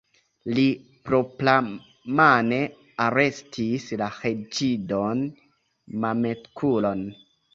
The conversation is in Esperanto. Li propramane arestis la reĝidon Mametkulon.